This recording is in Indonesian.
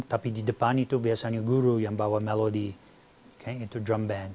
tapi di depan itu biasanya guru yang bawa melody itu drum band